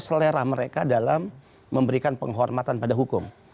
dan memiliki selera mereka dalam memberikan penghormatan pada hukum